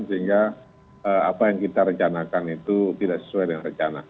sehingga apa yang kita rencanakan itu tidak sesuai dengan rencana